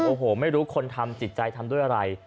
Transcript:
โอ้โหไม่รู้คนทำจิตใจทำด้วยอะไร